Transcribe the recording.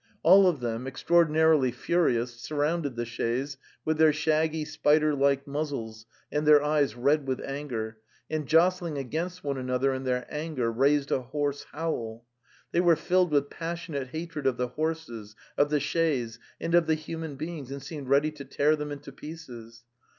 All of them, extraordina rily furious, surrounded the chaise, with their shaggy spider like muzzles and their eyes red with anger, and jostling against one another in their anger, raised ahoarse howl. 'They were filled with passionate ha tred of the horses, of the chaise, and of the human beings, and seemed ready to tear them into pieces.